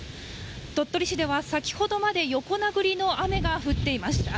鳥取市では先ほどまで、横殴りの雨が降っていました。